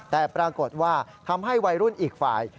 แต่ปรากฏว่าทำให้วัยรุ่นอีกฝ่าย